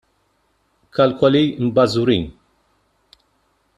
Kalkoli mbażwrin!